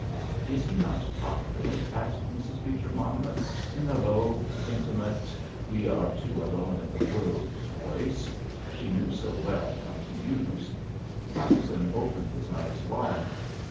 "Is he not popular?" asked Mrs. Beecher Monmouth in the low intimate—we two are alone in all the world—voice she knew so well how to use. Parkson opened his eyes wide.